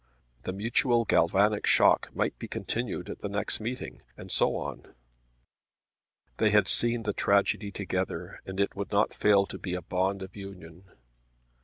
The mutual galvanic shock might be continued at the next meeting, and so on. They had seen the tragedy together and it would not fail to be a bond of union.